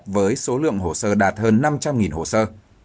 với số lượng hồ sơ đạt hơn năm trăm linh hồ sơ